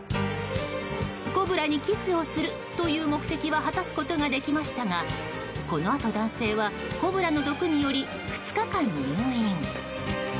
コブラにキスをするという目的は果たすことができましたがこのあと、男性はコブラの毒により２日間入院。